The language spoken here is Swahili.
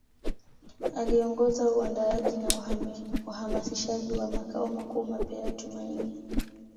Aliongoza uandaaji na uhamasishaji wa makao makuu mapya ya Tumaini